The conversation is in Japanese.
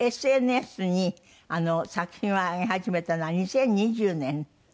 ＳＮＳに作品を上げ始めたのは２０２０年？